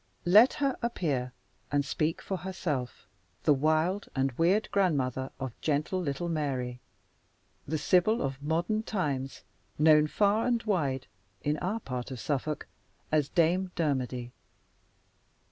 Let her appear, and speak for herself the wild and weird grandmother of gentle little Mary; the Sibyl of modern times, known, far and wide, in our part of Suffolk, as Dame Dermody.